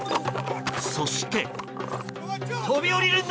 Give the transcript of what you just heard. そして。